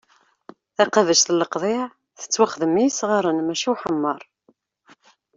Taqabact n leqḍiɛ tettwaxdem i yesɣaren mači i uḥemmeṛ.